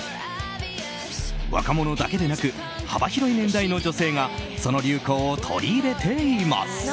若者だけでなく幅広い年代の女性がその流行を取り入れています。